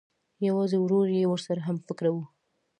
یوازې ورور یې ورسره همفکره و